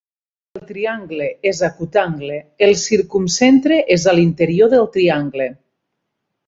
Si el triangle és acutangle, el circumcentre és a l'interior del triangle.